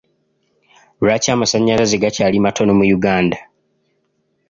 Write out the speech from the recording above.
Lwaki amasannyalaze gakyali matono mu Uganda?